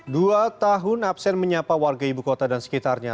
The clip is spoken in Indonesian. dua tahun absen menyapa warga ibu kota dan sekitarnya